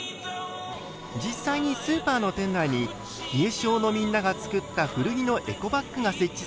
実際にスーパーの店内に日枝小のみんなが作った古着のエコバッグが設置されました。